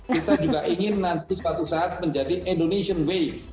kita juga ingin nanti suatu saat menjadi indonesian wave